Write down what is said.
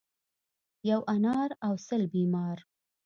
ـ یو انار او سل بیمار.